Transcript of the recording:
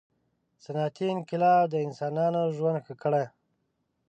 • صنعتي انقلاب د انسانانو ژوند ښه کړ.